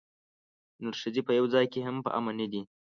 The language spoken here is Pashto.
نرښځي په یوه ځای کې هم په امن نه دي.